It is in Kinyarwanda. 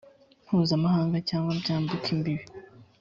mpuzamahanga cyangwa byambuka imbibi